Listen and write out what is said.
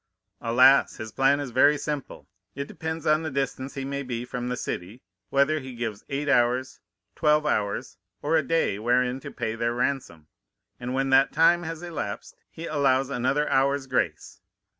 "Alas! his plan is very simple. It depends on the distance he may be from the city, whether he gives eight hours, twelve hours, or a day wherein to pay their ransom; and when that time has elapsed he allows another hour's grace.